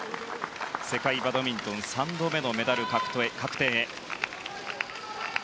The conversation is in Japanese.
世界バドミントン３度目のメダル確定へ。